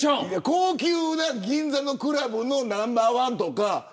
高級な銀座のクラブのナンバーワンとか。